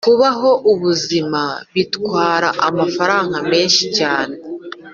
kubaho ubuzima bitwara amafaranga menshi cyane.